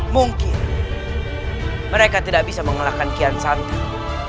mungkin mereka tidak bisa mengalahkan kian cantik